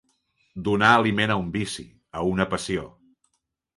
Donar aliment a un vici, a una passió.